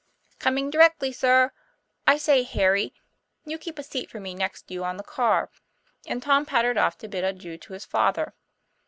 " Coming directly, sir. I say, Harry, you keep a seat for me next you on the car," and Tom pattered off to bid adieu to his father.